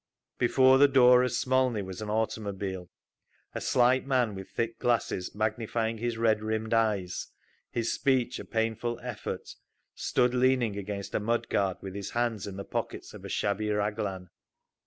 Before the door of Smolny was an automobile. A slight man with thick glasses magnifying his red rimmed eyes, his speech a painful effort, stood leaning against a mud guard with his hands in the pockets of a shabby raglan.